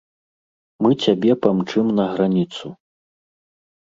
Мы цябе памчым на граніцу.